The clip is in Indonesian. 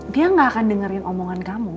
dia gak akan dengerin omongan kamu